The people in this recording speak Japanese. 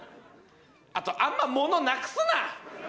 あとあんま物なくすな！